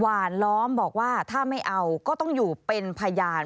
หวานล้อมบอกว่าถ้าไม่เอาก็ต้องอยู่เป็นพยาน